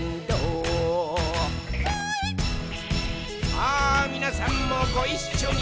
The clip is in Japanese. さあ、みなさんもごいっしょに！